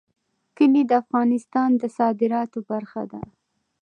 کلي د افغانستان د صادراتو برخه ده.